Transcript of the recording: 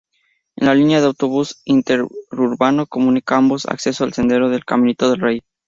Esta línea de autobús interurbano comunica ambos acceso al sendero del Caminito del Rey.